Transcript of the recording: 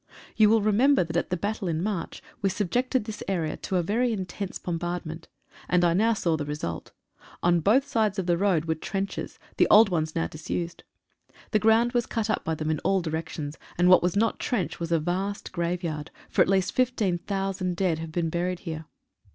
You will remember that at the battle in March, we subjected this area to a very intense bom bardment, and I now saw the result. On both sides of the road were trenches — the old ones now disused, the ground was cut up by them in all directions, and what was not trench was a vast graveyard, for at least 15,000 dead have been buried here.